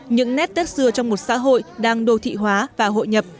những nét tết xưa trong một xã hội đang đô thị hóa và hội nhập